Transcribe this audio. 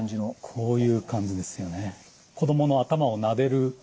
こういう感じですよね。